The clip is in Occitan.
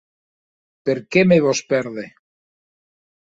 Per qué me vòs pèrder?